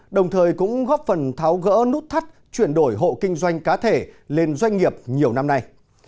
đồng thời cũng góp phần tháo gỡ nút thắt chuyển đổi hộ kinh doanh cá thể lên doanh nghiệp nhiều năm nay